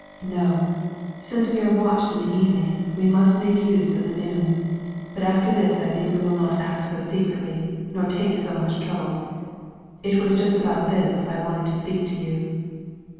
"No. Since we are watched in the evening, we must make use of the noon. But after this I think we will not act so secretly, nor take so much trouble; it was just about this I wanted to speak to you."